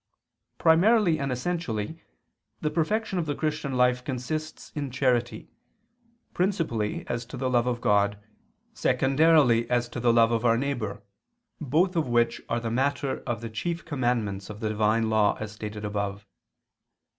Primarily and essentially the perfection of the Christian life consists in charity, principally as to the love of God, secondarily as to the love of our neighbor, both of which are the matter of the chief commandments of the Divine law, as stated above.